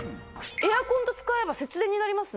エアコンと使えば節電になりますね。